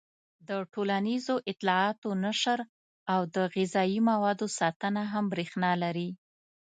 د ټولنیزو اطلاعاتو نشر او د غذايي موادو ساتنه هم برېښنا لري.